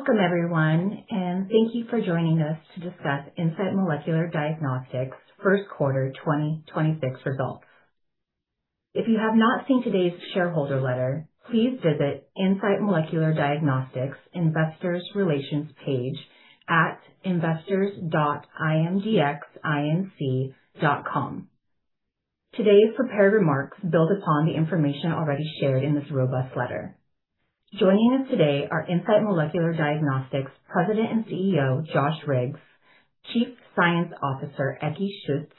Welcome everyone, and thank you for joining us to discuss Insight Molecular Diagnostics Q1 2026 results. If you have not seen today's shareholder letter, please visit Insight Molecular Diagnostics Investors Relations page at investors.imdxinc.com. Today's prepared remarks build upon the information already shared in this robust letter. Joining us today are Insight Molecular Diagnostics President and CEO, Josh Riggs, Chief Science Officer, Ekkehard Schütz,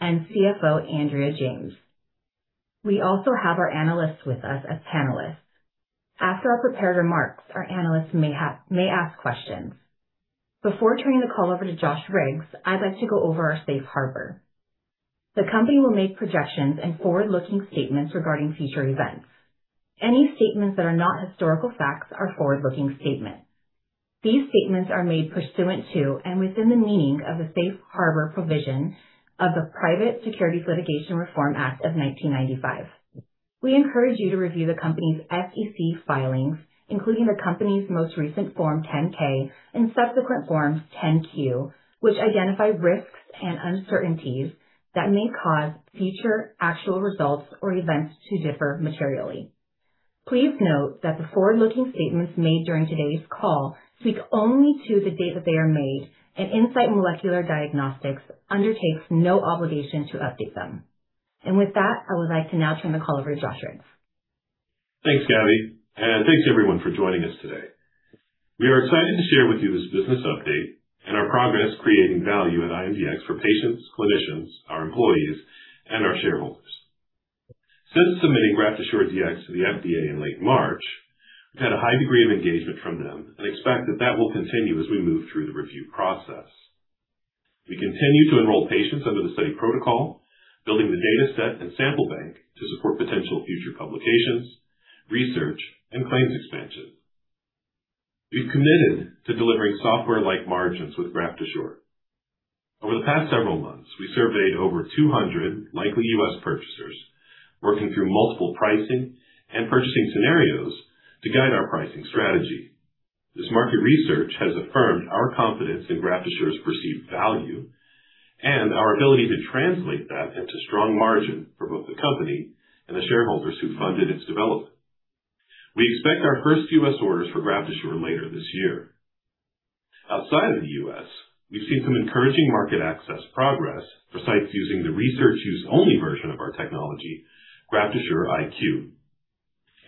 and CFO, Andrea James. We also have our analysts with us as panelists. After our prepared remarks, our analysts may ask questions. Before turning the call over to Josh Riggs, I'd like to go over our Safe Harbor. The company will make projections and forward-looking statements regarding future events. Any statements that are not historical facts are forward-looking statements. These statements are made pursuant to, and within the meaning of, the Safe Harbor provision of the Private Securities Litigation Reform Act of 1995. We encourage you to review the company's SEC filings, including the company's most recent Form 10-K and subsequent Form 10-Q, which identify risks and uncertainties that may cause future actual results or events to differ materially. Please note that the forward-looking statements made during today's call speak only to the date that they are made, Insight Molecular Diagnostics undertakes no obligation to update them. With that, I would like to now turn the call over to Joshua Riggs. Thanks, Gabby, thanks everyone for joining us today. We are excited to share with you this business update and our progress creating value at IMDX for patients, clinicians, our employees, and our shareholders. Since submitting GraftAssureDx to the FDA in late March, we've had a high degree of engagement from them and expect that will continue as we move through the review process. We continue to enroll patients under the study protocol, building the data set and sample bank to support potential future publications, research, and claims expansion. We've committed to delivering software-like margins with GraftAssure. Over the past several months, we surveyed over 200 likely U.S. purchasers working through multiple pricing and purchasing scenarios to guide our pricing strategy. This market research has affirmed our confidence in GraftAssure's perceived value and our ability to translate that into strong margin for both the company and the shareholders who funded its development. We expect our first U.S. orders for GraftAssure later this year. Outside of the U.S., we've seen some encouraging market access progress for sites using the research use only version of our technology, GraftAssureIQ.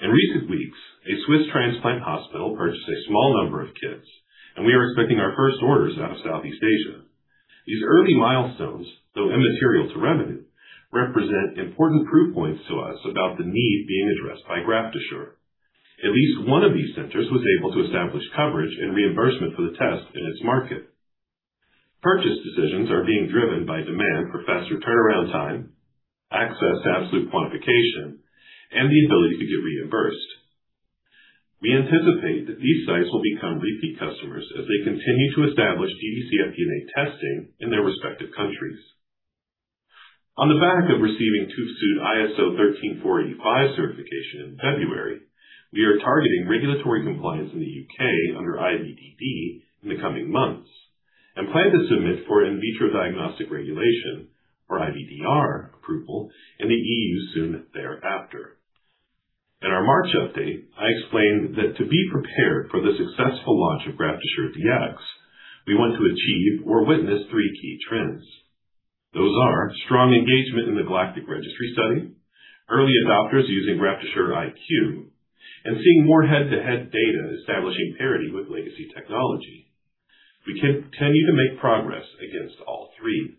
In recent weeks, a Swiss transplant hospital purchased a small number of kits, and we are expecting our first orders out of Southeast Asia. These early milestones, though immaterial to revenue, represent important proof points to us about the need being addressed by GraftAssure. At least one of these centers was able to establish coverage and reimbursement for the test in its market. Purchase decisions are being driven by demand for faster turnaround time, access to absolute quantification, and the ability to get reimbursed. We anticipate that these sites will become repeat customers as they continue to establish dd-cfDNA testing in their respective countries. On the back of receiving ISO 13485 certification in February, we are targeting regulatory compliance in the U.K. under IVDD in the coming months and plan to submit for in vitro diagnostic regulation or IVDR approval in the EU soon thereafter. In our March update, I explained that to be prepared for the successful launch of GraftAssureDx, we want to achieve or witness three key trends. Those are strong engagement in the GALACTIC Registry Study, early adopters using GraftAssureIQ, and seeing more head-to-head data establishing parity with legacy technology. We continue to make progress against all three.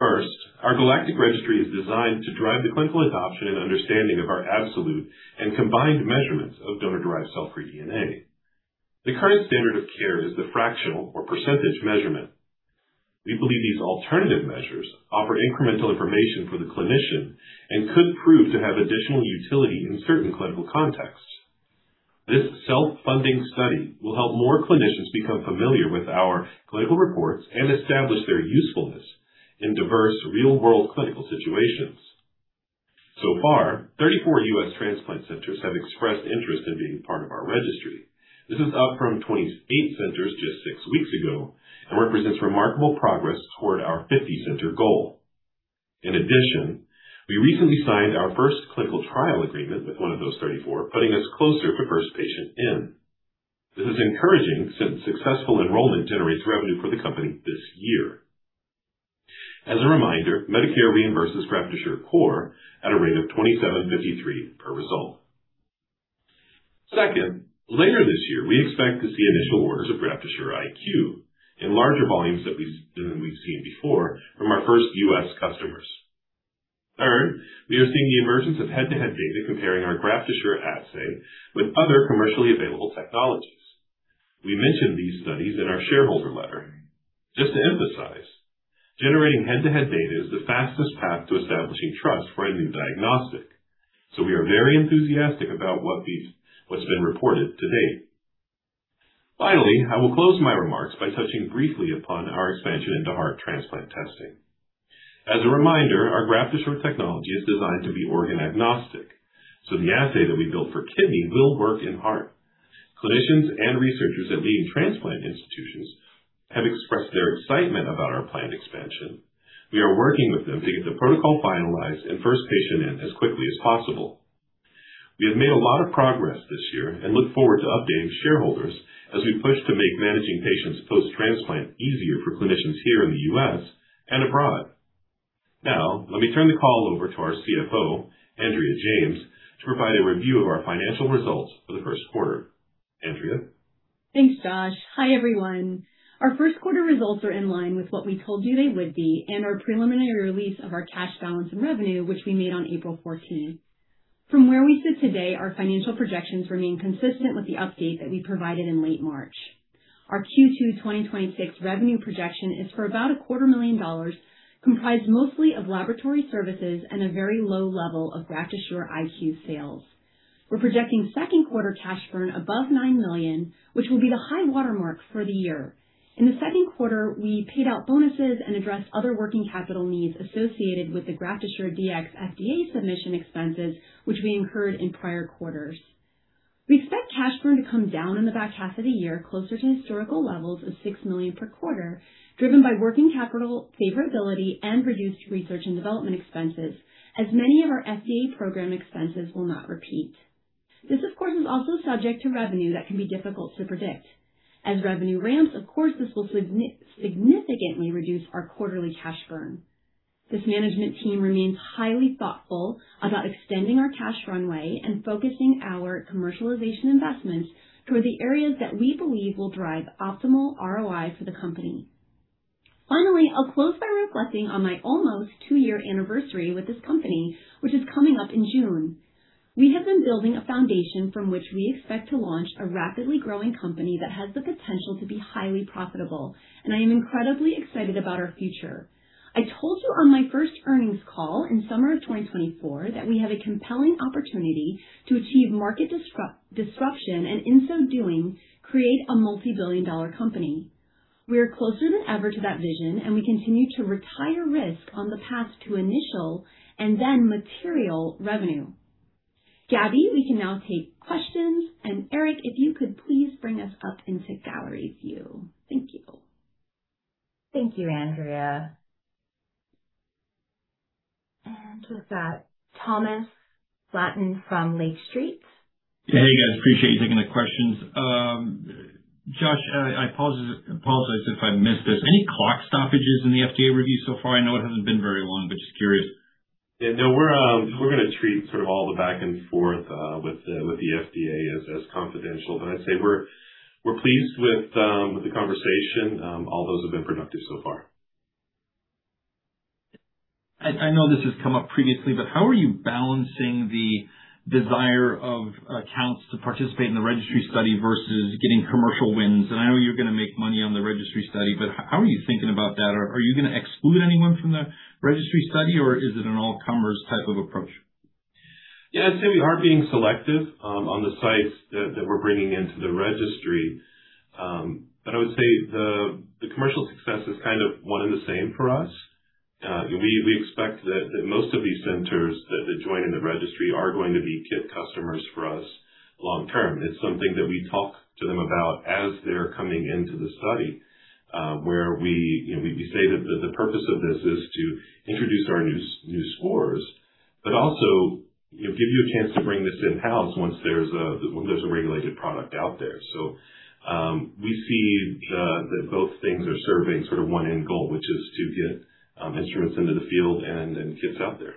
First, our GALACTIC registry is designed to drive the clinical adoption and understanding of our absolute and combined measurements of donor-derived cell-free DNA. The current standard of care is the fractional or percentage measurement. We believe these alternative measures offer incremental information for the clinician and could prove to have additional utility in certain clinical contexts. This self-funding study will help more clinicians become familiar with our clinical reports and establish their usefulness in diverse real-world clinical situations. 34 U.S. transplant centers have expressed interest in being part of our registry. This is up from 28 centers just 6 weeks ago and represents remarkable progress toward our 50-center goal. In addition, we recently signed our first clinical trial agreement with one of those 34, putting us closer to first patient in. This is encouraging since successful enrollment generates revenue for the company this year. As a reminder, Medicare reimburses GraftAssureCore at a rate of $2,753 per result. Second, later this year, we expect to see initial orders of GraftAssureIQ in larger volumes than we've seen before from our first U.S. customers. Third, we are seeing the emergence of head-to-head data comparing our GraftAssure assay with other commercially available technologies. We mentioned these studies in our shareholder letter. Just to emphasize, generating head-to-head data is the fastest path to establishing trust for a new diagnostic. We are very enthusiastic about what's been reported to date. Finally, I will close my remarks by touching briefly upon our expansion into heart transplant testing. As a reminder, our GraftAssure technology is designed to be organ-agnostic, so the assay that we built for kidney will work in heart. Clinicians and researchers at leading transplant institutions have expressed their excitement about our planned expansion. We are working with them to get the protocol finalized and first patient in as quickly as possible. We have made a lot of progress this year and look forward to updating shareholders as we push to make managing patients post-transplant easier for clinicians here in the U.S. and abroad. Let me turn the call over to our CFO Andrea James to provide a review of our financial results for the Q1. Andrea. Thanks, Joshua. Hi, everyone. Our Q1 results are in line with what we told you they would be and our preliminary release of our cash balance and revenue, which we made on April 14th. From where we sit today, our financial projections remain consistent with the update that we provided in late March. Our Q2 2026 revenue projection is for about a quarter million dollars, comprised mostly of laboratory services and a very low level of GraftAssureIQ sales. We're projecting Q2 cash burn above $9 million, which will be the high watermark for the year. In the Q2, we paid out bonuses and addressed other working capital needs associated with the GraftAssureDx FDA submission expenses, which we incurred in prior quarters. We expect cash burn to come down in the back half of the year, closer to historical levels of $6 million per quarter, driven by working capital favorability and reduced research and development expenses, as many of our FDA program expenses will not repeat. This, of course, is also subject to revenue that can be difficult to predict. As revenue ramps, of course, this will significantly reduce our quarterly cash burn. This management team remains highly thoughtful about extending our cash runway and focusing our commercialization investments toward the areas that we believe will drive optimal ROI for the company. Finally, I'll close by reflecting on my almost two-year anniversary with this company, which is coming up in June. We have been building a foundation from which we expect to launch a rapidly growing company that has the potential to be highly profitable, and I am incredibly excited about our future. I told you on my first earnings call in summer of 2024 that we have a compelling opportunity to achieve market disruption and, in so doing, create a multibillion-dollar company. We are closer than ever to that vision, and we continue to retire risk on the path to initial and then material revenue. Gabby, we can now take questions. Eric, if you could please bring us up into gallery view. Thank you. Thank you, Andrea. With that, Thomas Flaten from Lake Street. Hey, guys. Appreciate you taking the questions. Josh, I apologize if I missed this. Any clock stoppages in the FDA review so far? I know it hasn't been very long, but just curious. Yeah, no, we're gonna treat sort of all the back and forth, with the FDA as confidential. I'd say we're pleased with the conversation. All those have been productive so far. I know this has come up previously, but how are you balancing the desire of accounts to participate in the Registry Study versus getting commercial wins? I know you're gonna make money on the Registry Study, but how are you thinking about that? Are you gonna exclude anyone from the Registry Study, or is it an all-comers type of approach? Yeah, I'd say we are being selective on the sites that we're bringing into the registry. I would say the commercial success is kind of one and the same for us. We expect that most of these centers that join in the registry are going to be kit customers for us long term. It's something that we talk to them about as they're coming into the study, where we, you know, we say that the purpose of this is to introduce our new scores, but also, you know, give you a chance to bring this in-house once there's a regulated product out there. We see that both things are serving sort of one end goal, which is to get instruments into the field and then kits out there.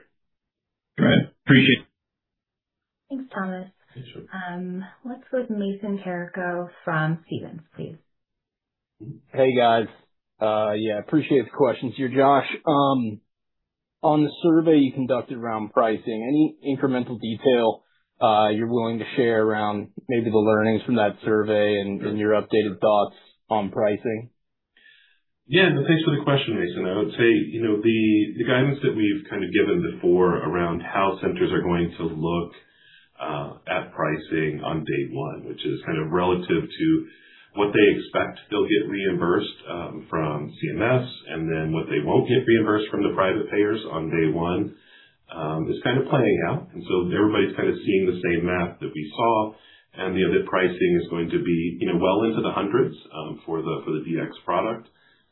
All right. Appreciate it. Thanks, Thomas. Sure. Let's go with Mason Carrico from Stephens, please. Hey, guys. appreciate the questions here, Josh. On the survey you conducted around pricing, any incremental detail you're willing to share around maybe the learnings from that survey and your updated thoughts on pricing? Yeah, no, thanks for the question, Mason. I would say, you know, the guidance that we've kind of given before around how centers are going to look at pricing on day one, which is kind of relative to what they expect they'll get reimbursed from CMS, and then what they won't get reimbursed from the private payers on day one, is kind of playing out. Everybody's kinda seeing the same math that we saw and, you know, that pricing is going to be, you know, well into the hundreds for the, for the DX product.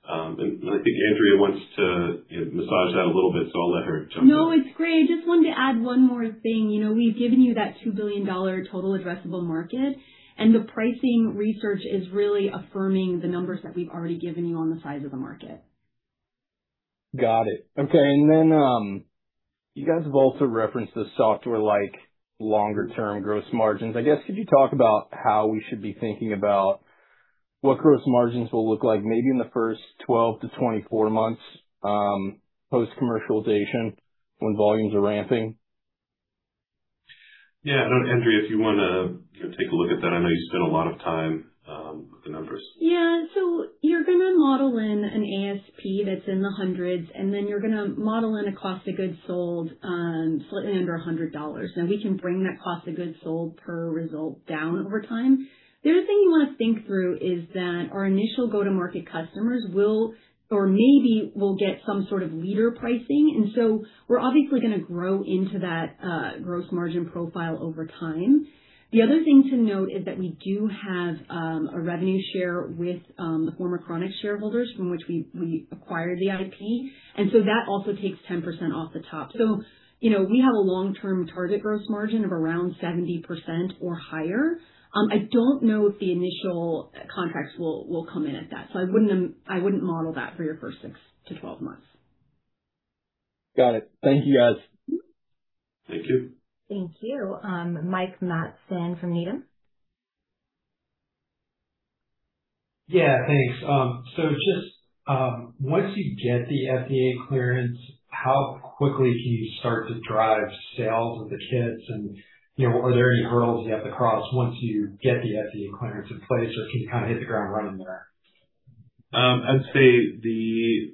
I think Andrea wants to, you know, massage that a little bit, so I'll let her jump in. No, it's great. Just wanted to add one more thing. You know, we've given you that $2 billion total addressable market, and the pricing research is really affirming the numbers that we've already given you on the size of the market. Got it. Okay. You guys have also referenced the software, like longer-term gross margins. I guess, could you talk about how we should be thinking about what gross margins will look like maybe in the first 12-24 months post-commercialization when volumes are ramping? Yeah. I know, Andrea, if you wanna take a look at that. I know you spent a lot of time with the numbers. An ASP that's in the hundreds. You're going to model in a cost of goods sold, slightly under $100. Now we can bring that cost of goods sold per result down over time. The other thing you want to think through is that our initial go-to-market customers will get some sort of leader pricing. We're obviously going to grow into that gross margin profile over time. The other thing to note is that we do have a revenue share with the former Chronix shareholders from which we acquired the IP. That also takes 10% off the top. You know, we have a long-term target gross margin of around 70% or higher. I don't know if the initial contracts will come in at that. I wouldn't model that for your first 6 to 12 months. Got it. Thank you, guys. Thank you. Thank you. Mike Matson from Needham. Yeah, thanks. Once you get the FDA clearance, how quickly can you start to drive sales of the kits? You know, are there any hurdles you have to cross once you get the FDA clearance in place, or can you kind of hit the ground running there? I'd say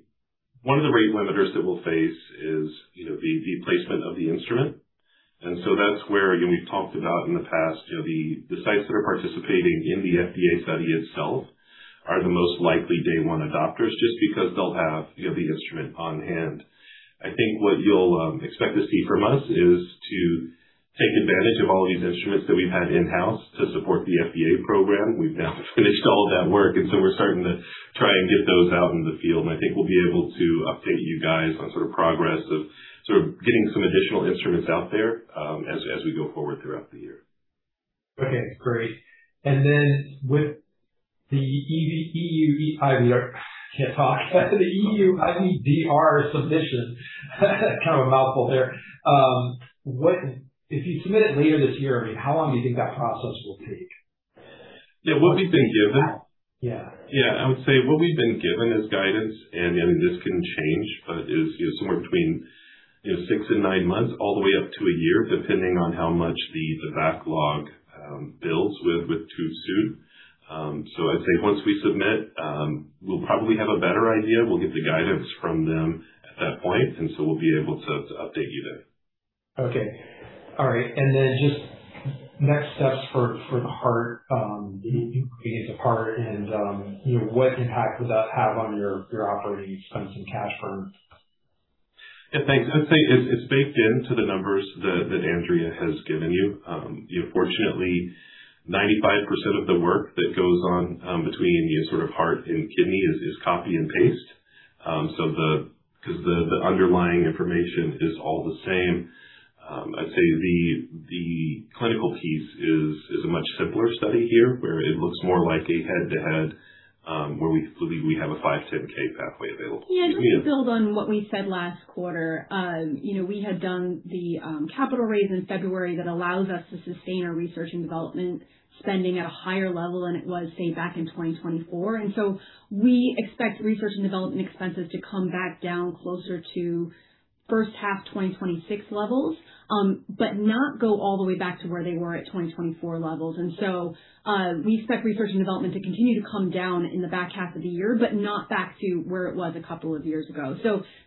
one of the rate limiters that we'll face is, you know, the placement of the instrument. That's where, you know, we've talked about in the past, you know, the sites that are participating in the FDA study itself are the most likely day 1 adopters, just because they'll have, you know, the instrument on hand. I think what you'll expect to see from us is to take advantage of all these instruments that we've had in-house to support the FDA program. We've now finished all of that work, so we're starting to try and get those out in the field. I think we'll be able to update you guys on sort of progress of sort of getting some additional instruments out there, as we go forward throughout the year. Okay, great. Then with the EU -- I really can't talk. The EU IVDR submission. Kind of a mouthful there. If you submit it later this year, I mean, how long do you think that process will take? Yeah. Yeah. Yeah. I would say what we've been given as guidance, and this can change, but is, you know, somewhere between, you know, 6 and 9 months, all the way up to a year, depending on how much the backlog builds with TÜV SÜD. I'd say once we submit, we'll probably have a better idea. We'll get the guidance from them at that point, we'll be able to update you then. Okay. All right. Just next steps for the heart, the phase of heart and, you know, what impact does that have on your operating expense and cash burn? Yeah, thanks. I'd say it's baked into the numbers that Andrea has given you. you know, fortunately, 95% of the work that goes on between your sort of heart and kidney is copy and paste. because the underlying information is all the same. I'd say the clinical piece is a much simpler study here, where it looks more like a head-to-head, where we have a 510(k) pathway available to use. Yeah. Just to build on what we said last quarter. you know, we had done the capital raise in February that allows us to sustain our research and development spending at a higher level than it was, say, back in 2024. We expect research and development expenses to come back down closer to H1 2026 levels, but not go all the way back to where they were at 2024 levels. We expect research and development to continue to come down in the back half of the year, but not back to where it was a couple of years ago.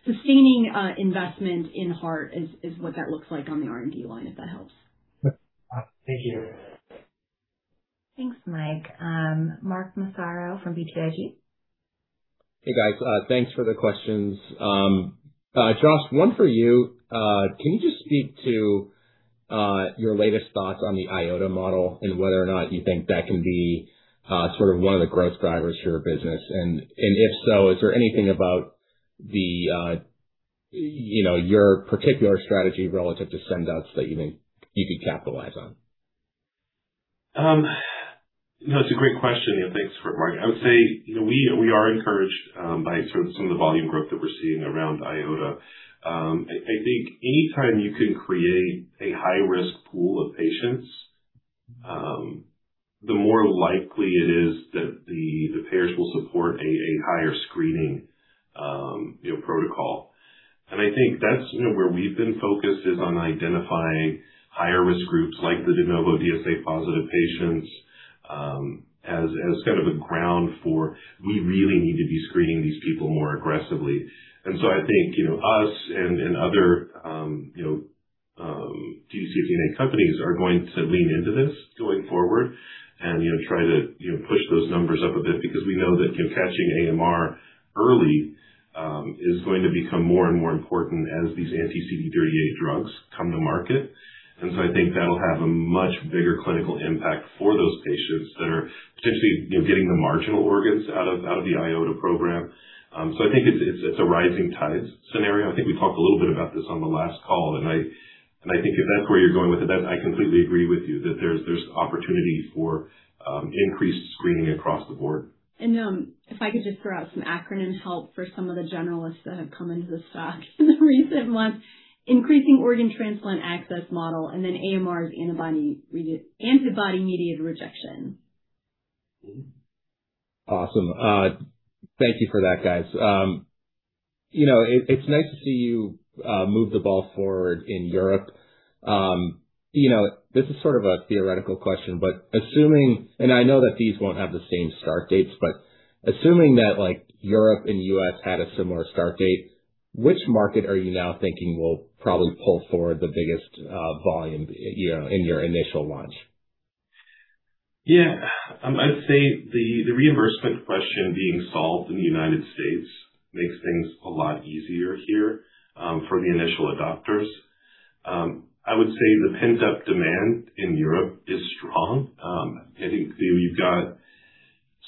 Sustaining investment in heart is what that looks like on the R&D line, if that helps. Thank you. Thanks, Mike. Mark Massaro from BTIG. Hey, guys. Thanks for the questions. Josh, one for you. Can you just speak to your latest thoughts on the IOTA model and whether or not you think that can be sort of one of the growth drivers for your business? If so, is there anything about the, you know, your particular strategy relative to send-outs that you think you could capitalize on? No, it's a great question. Thanks for Mark. I would say, you know, we are encouraged by sort of some of the volume growth that we're seeing around IOTA. I think anytime you can create a high-risk pool of patients, the more likely it is that the payers will support a higher screening, you know, protocol. I think that's, you know, where we've been focused is on identifying higher risk groups like the de novo DSA positive patients, as kind of a ground for we really need to be screening these people more aggressively. I think, you know, us and other, you know, dd-cfDNA companies are going to lean into this going forward and, you know, try to, you know, push those numbers up a bit because we know that, you know, catching AMR early is going to become more and more important as these anti-CD38 drugs come to market. I think that'll have a much bigger clinical impact for those patients that are potentially, you know, getting the marginal organs out of the IOTA model. I think it's a rising tide scenario. I think we talked a little bit about this on the last call, and I think if that's where you're going with it, then I completely agree with you that there's opportunity for increased screening across the board. If I could just throw out some acronyms help for some of the generalists that have come into the stock in the recent months. Increasing Organ Transplant Access model and then AMR is antibody-mediated rejection. Awesome. Thank you for that, guys. You know, it's nice to see you move the ball forward in Europe. You know, this is sort of a theoretical question, but assuming that, like, Europe and U.S. had a similar start date, which market are you now thinking will probably pull forward the biggest volume, you know, in your initial launch? I'd say the reimbursement question being solved in the U.S. makes things a lot easier here for the initial adopters. I would say the pent-up demand in Europe is strong. I think you've got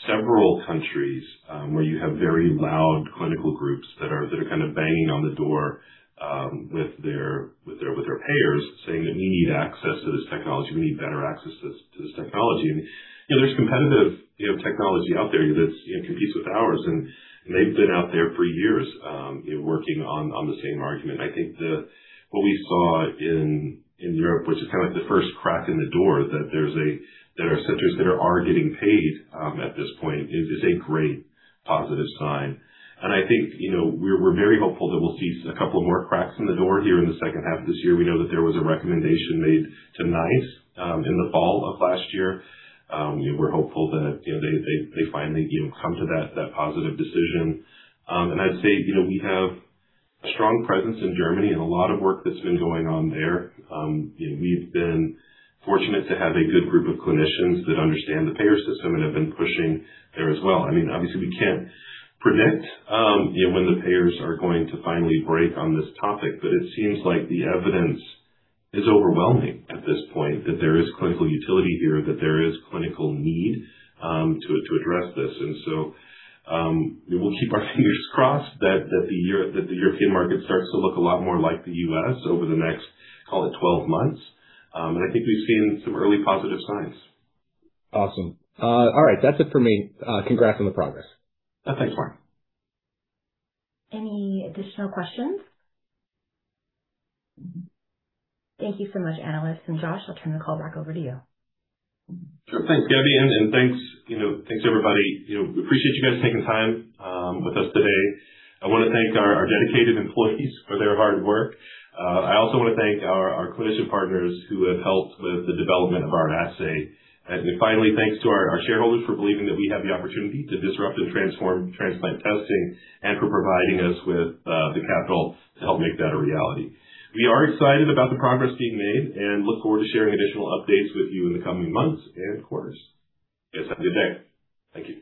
several countries where you have very loud clinical groups that are kind of banging on the door with their payers, saying that we need access to this technology. We need better access to this technology. You know, there's competitive, you know, technology out there that's, you know, competes with ours, and they've been out there for years working on the same argument. I think what we saw in Europe, which is kind of like the first crack in the door, that there are centers that are getting paid at this point, is a great positive sign. I think, you know, we're very hopeful that we'll see a couple of more cracks in the door here in the H2 of this year. We know that there was a recommendation made to NICE in the fall of last year. We were hopeful that, you know, they finally, you know, come to that positive decision. I'd say, you know, we have a strong presence in Germany and a lot of work that's been going on there. You know, we've been fortunate to have a good group of clinicians that understand the payer system and have been pushing there as well. I mean, obviously, we can't predict, you know, when the payers are going to finally break on this topic, but it seems like the evidence is overwhelming at this point that there is clinical utility here, that there is clinical need to address this. We will keep our fingers crossed that the European market starts to look a lot more like the U.S. over the next, call it, 12 months. I think we've seen some early positive signs. Awesome. All right. That's it for me. Congrats on the progress. Thanks, Mark. Any additional questions? Thank you so much, analysts. Josh, I'll turn the call back over to you. Sure. Thanks, Gabby. Thanks, you know, thanks, everybody. You know, we appreciate you guys taking time with us today. I want to thank our dedicated employees for their hard work. I also want to thank our clinician partners who have helped with the development of our assay. Finally, thanks to our shareholders for believing that we have the opportunity to disrupt and transform transplant testing and for providing us with the capital to help make that a reality. We are excited about the progress being made and look forward to sharing additional updates with you in the coming months and quarters. You guys have a good day. Thank you.